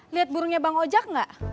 lihat burungnya bang ojak gak